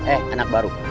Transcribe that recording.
eh anak baru